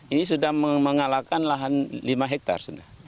ini sudah mengalahkan lahan lima hektare